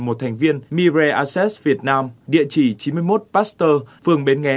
một thành viên mirai assets việt nam địa chỉ chín mươi một pasteur phường bến nghé